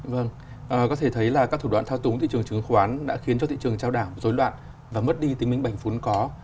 vâng có thể thấy là các thủ đoạn thao túng thị trường trứng khoán đã khiến cho thị trường trao đảo rối loạn và mất đi tính bánh bánh phún có